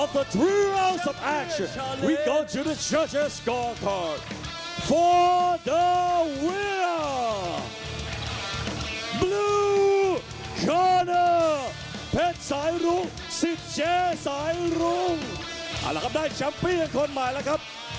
ประกบได้แชมป์ปีกับคนใหม่แล้วครับ